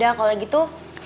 ya udah kalau gitu